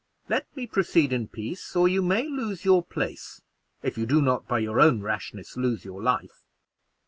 Let me proceed in peace, or you may lose your place, if you do not, by your own rashness, lose your life."